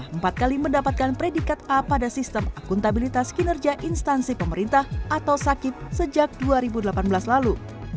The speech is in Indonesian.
empat kali mendapatkan predikat a pada sistem akuntabilitas kinerja instansi pemerintah atau sakit sejak dua ribu delapan belas lalu